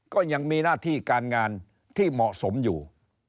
ก็ยังมีหน้าที่การงานที่เหมาะสมอยู่